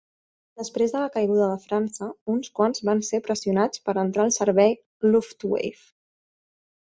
Després de la caiguda de França, uns quants van ser pressionats per a entrar al servei "Luftwaffe".